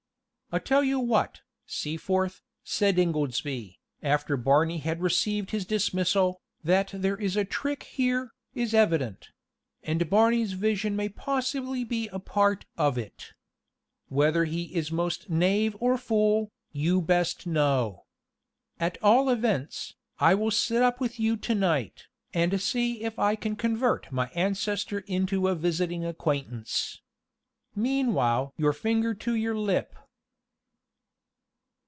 "I'll tell you what, Seaforth," said Ingoldsby, after Barney had received his dismissal, "that there is a trick here, is evident; and Barney's vision may possibly be a part of it. Whether he is most knave or fool, you best know. At all events, I will sit up with you to night, and see if I can convert my ancestor into a visiting acquaintance. Meanwhile your finger on your lip!"